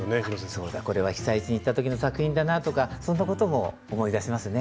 そうだこれは被災地に行った時の作品だなとかそんなことも思い出しますね。